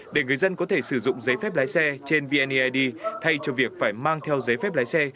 để người dân có thể sử dụng giấy phép lái xe trên vneid thay cho việc phải mang theo giấy phép lái xe